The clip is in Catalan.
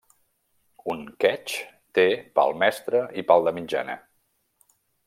Un quetx té pal mestre i pal de mitjana.